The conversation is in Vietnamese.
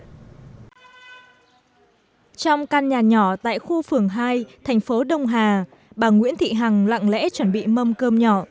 trong căn nhà nhỏ tại khu phường hai thành phố đông hà bà nguyễn thị hằng lặng lẽ chuẩn bị mâm cơm nhỏ